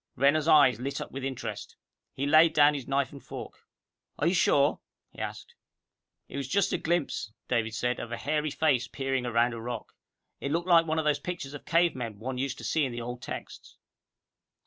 Renner's eyes lit up with interest. He laid down his knife and fork. "Are you sure?" he asked. "It was just a glimpse," David said, "of a hairy face peering around a rock. It looked like one of those pictures of a cave man one used to see in the old texts."